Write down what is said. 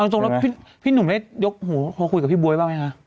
ตรงแล้วพี่หนุ่มได้ยกหูโทรคุยกับพี่บ๊วยบ้างไหมคะ